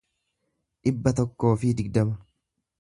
dhibba tokkoo fi digdama